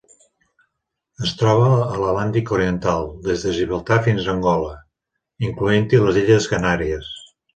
Es troba a l'Atlàntic oriental: des de Gibraltar fins a Angola, incloent-hi les illes Canàries.